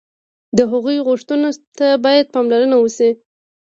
د هغوی غوښتنو ته باید پاملرنه وشي.